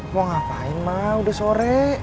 mau ngapain mah udah sore